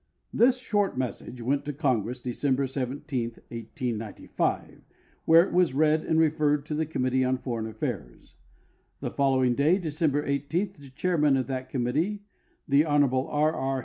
This short message went to Congress December 17, 1895, where it was read and referred to the Committee on Foreign Affairs. The following da}', December 18, the chairman of that commit tee, the Hon. R. R.